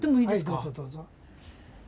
どうぞどうぞ。